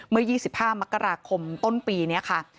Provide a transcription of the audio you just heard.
เมื่อ๒๕มกราคมต้นปีนี้ค่ะ